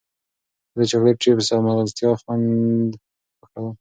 زه د چاکلېټ، چېپس او مغزیاتو خوند خوښوم.